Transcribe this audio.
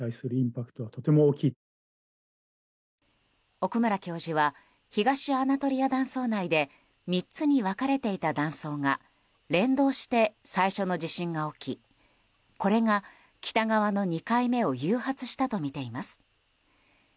奥村教授は東アナトリア断層内で３つに分かれていた断層が連動して最初の地震が起きこれが北側の２回目を誘発したとみています。